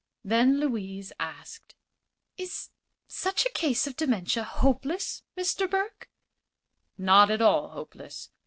Then Louise asked: "Is such a case of dementia hopeless, Mr. Burke?" "Not at all hopeless.